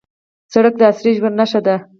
سړک د عصري ژوند نښه ده.